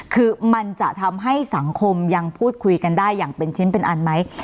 คือมันจะทำให้สังคมยังพูดคุยกันได้อย่างเป็นชิ้นเป็นอันไหม